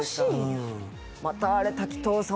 うんまたあれ滝藤さん